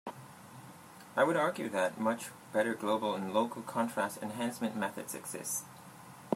I would argue that much better global and local contrast enhancement methods exist.